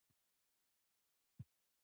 د برابرۍ ژبه بدلون ته هڅوي.